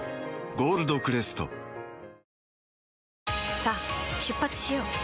さあ出発しよう。